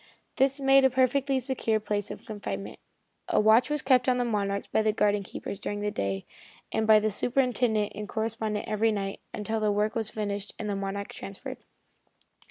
This made a perfectly secure place of confinement. A watch was kept on the Monarch by the garden keepers during the day, and by the superintendent and the correspondent every night, until the work was finished and the Monarch transferred.